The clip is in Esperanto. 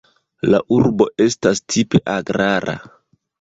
La urbo estas tipe agrara.